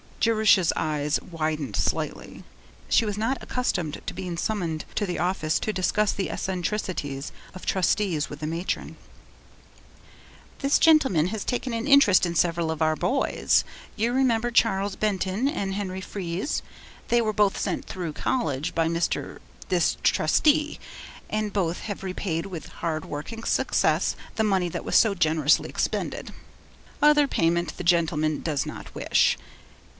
Jerusha's eyes widened slightly; she was not accustomed to being summoned to the office to discuss the eccentricities of Trustees with the matron. 'This gentleman has taken an interest in several of our boys. You remember Charles Benton and Henry Freize? They were both sent through college by Mr. er this Trustee, and both have repaid with hard work and success the money that was so generously expended. Other payment the gentleman does not wish.